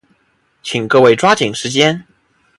请各位抓紧时间。